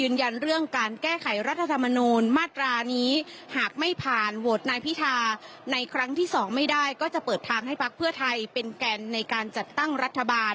ยืนยันเรื่องการแก้ไขรัฐธรรมนูลมาตรานี้หากไม่ผ่านโหวตนายพิธาในครั้งที่สองไม่ได้ก็จะเปิดทางให้พักเพื่อไทยเป็นแก่นในการจัดตั้งรัฐบาล